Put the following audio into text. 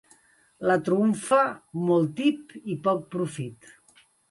La trumfa, molt tip i poc profit.